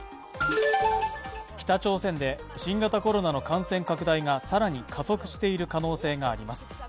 北朝鮮で新型コロナの感染拡大が更に加速しいる可能性があります。